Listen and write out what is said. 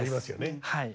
はい。